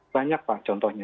banyak pak contohnya